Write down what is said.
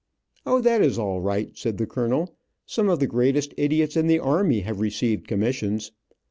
"O, that is all right," said, the colonel, "some of the greatest idiots in the army have received commisssions."